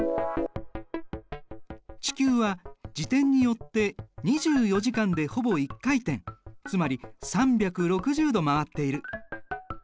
地球は自転によって２４時間でほぼ１回転つまり３６０度回っている。